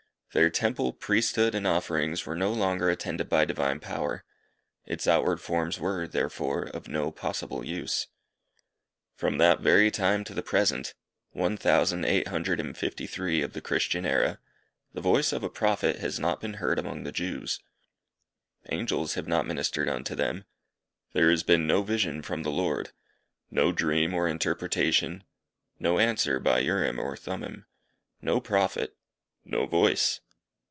Their temple, priesthood, and offerings were no longer attended by divine power. Its outward forms were, therefore, of no possible use. From that very time to the present One thousand eight hundred and fifty one of the Christian era, the voice of a Prophet has not been heard among the Jews. Angels have not ministered unto them. There has been no vision from the Lord. No dream or interpretation. No answer by Urim or Thummim. No Prophet. No voice.